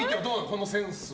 このセンス。